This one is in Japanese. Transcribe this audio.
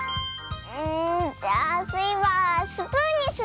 うんじゃあスイはスプーンにする！